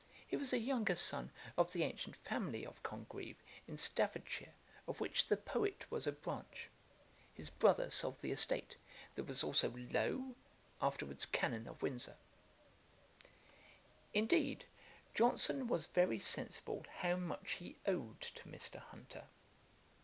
He was a younger son of the ancient family of Congreve, in Staffordshire, of which the poet was a branch. His brother sold the estate. There was also Lowe, afterwards Canon of Windsor.' [Page 46: Mr. Hunter.] Indeed Johnson was very sensible how much he owed to Mr. Hunter.